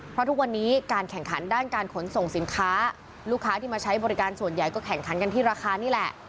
เพราะทุกวันนี้การแข่งขันด้านการขนส่งสินค้าลูกค้าที่มาใช้บริการส่วนใหญ่ก็แข่งขันกันที่ราคานี่แหละ